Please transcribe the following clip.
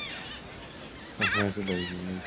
Se ha convertido en un libro por Robin Parrish.